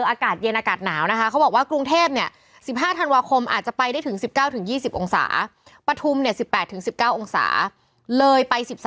อากาศเย็นอากาศหนาวนะคะเขาบอกว่ากรุงเทพเนี่ย๑๕ธันวาคมอาจจะไปได้ถึง๑๙๒๐องศาปฐุมเนี่ย๑๘๑๙องศาเลยไป๑๓